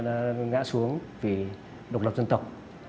đã ngã xuống vì độc lập dân tộc